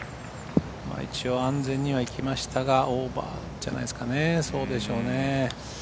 一応安全にはいきましたがオーバーじゃないですかね。